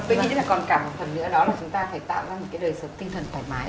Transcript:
tôi nghĩ là còn cả một phần nữa đó là chúng ta phải tạo ra một cái đời sống tinh thần thoải mái